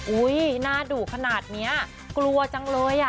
หน้าดุขนาดนี้กลัวจังเลยอ่ะ